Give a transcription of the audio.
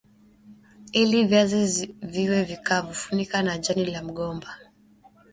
Ili viazi viwe vikavu funika na jani la mgomba